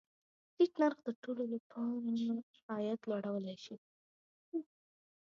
ټیټ نرخ د ټولو له پاره عاید لوړولی شي.